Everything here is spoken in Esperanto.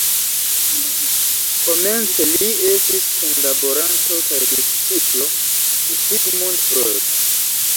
Komence li estis kunlaboranto kaj disĉiplo de Sigmund Freud.